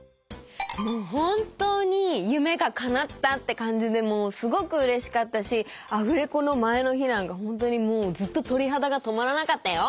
もう本当に夢がかなったって感じでもうすごくうれしかったしアフレコの前の日なんかホントにもうずっと鳥肌が止まらなかったよ！